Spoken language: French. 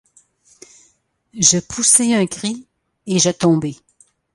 Je poussai un cri et je tombai.